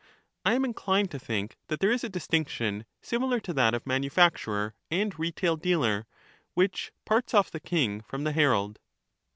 I am inclined to think division of that there is a distinction similar to that of manufacturer and iupremc.*^ retail dealer, which parts oflF the king from the herald.